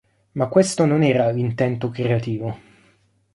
Ma questo non era l'intento creativo".